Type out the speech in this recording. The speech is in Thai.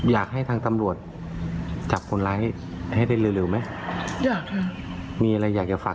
อยากให้ตำรวจกลับขอโทษให้ไวค่ะ